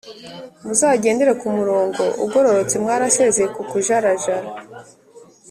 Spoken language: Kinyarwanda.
muzagendere ku murongo ugororotse, mwarasezeye kukujarajara.